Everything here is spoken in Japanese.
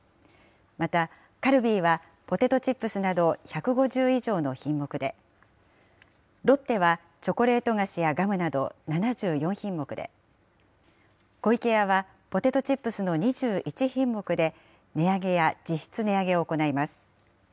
また、カルビーはポテトチップスなど１５０以上の品目で、ロッテはチョコレート菓子やガムなど７４品目で、湖池屋はポテトチップスの２１品目で、値上げや実質値上げを行います。